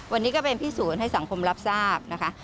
วันนี้ก็เป็นพิสูจน์ให้สังคมรับทราบนะคะ